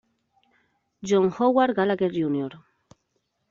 John Howard Gallagher, Jr.